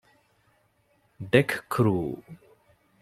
ޑެކްކުރޫ